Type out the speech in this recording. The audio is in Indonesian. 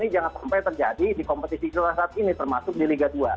jangan sampai terjadi di kompetisi saat ini termasuk di liga dua